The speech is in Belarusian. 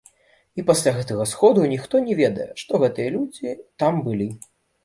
І пасля гэтага сходу ніхто не ведае, што гэтыя людзі там былі.